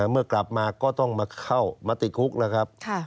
เมื่อกลับมาก็ต้องมาเข้ามาติดคุกแล้วครับ